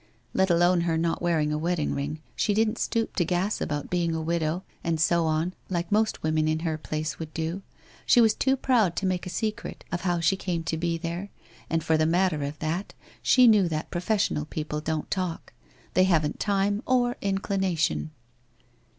Let alone her not wear ing a wedding ring she didn't stoop to gas about being a widow and so on, like most women in her place would do. She was too proud to mako a secret of how she came to be there, and for the matter of that, she knew that pro ional people don't talk. They haven't time or in clination.'